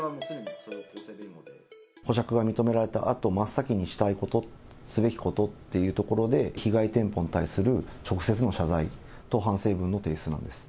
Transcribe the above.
保釈が認められたあと、真っ先にしたいこと、すべきことっていうところで、被害店舗に対する直接の謝罪と反省文の提出なんです。